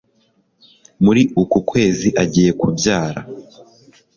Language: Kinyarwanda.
muri uku kwezi agiye kubyara